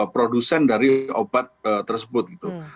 produsen dari obat tersebut gitu